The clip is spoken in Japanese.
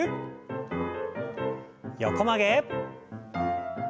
横曲げ。